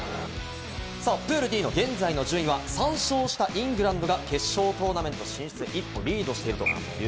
プールＤの現在の順位は３勝したイングランドが決勝トーナメント進出へ一歩リードしています。